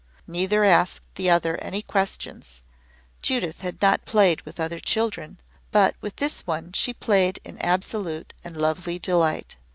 Neither asked the other any questions. Judith had not played with other children, but with this one she played in absolute and lovely delight.